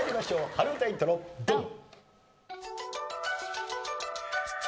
春うたイントロドン！